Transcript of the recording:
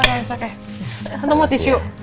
tentang mau tisu